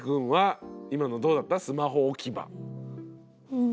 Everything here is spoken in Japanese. うん。